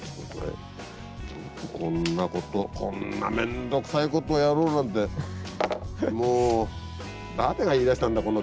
こんなことこんな面倒くさいことやろうなんてもう誰が言いだしたんだこんな球をやろうなんて。